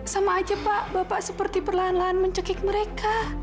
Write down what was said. sama aja pak bapak seperti perlahan lahan mencekik mereka